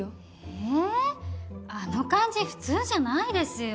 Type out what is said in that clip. ええあの感じ普通じゃないですよ。